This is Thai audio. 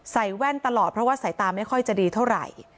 แว่นตลอดเพราะว่าสายตาไม่ค่อยจะดีเท่าไหร่